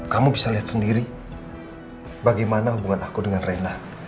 kamu bisa lihat sendiri bagaimana hubungan aku dengan reina